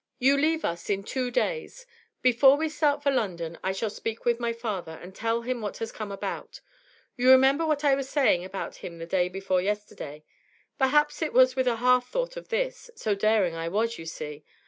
'You leave us in two days. Before we start for London, I shall speak with my father, and tell him what has come about. You remember what I was saying about him the day before yesterday; perhaps it was with a half thought of this so daring I was, you see!